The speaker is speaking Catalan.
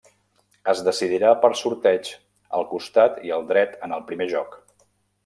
Es decidirà per sorteig el costat i el dret en el primer joc.